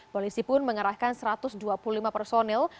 polisi pun mengerahkan satu ratus dua puluh lima personil